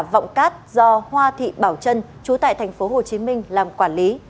vọng cát do hoa thị bảo trân chú tại tp hcm làm quản lý